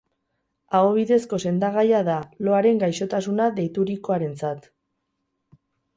Aho bidezko sendagaia da, loaren gaixotasuna deiturikoarentzat.